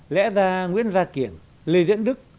lẽ ra nguyễn gia kiểm lê diễn đức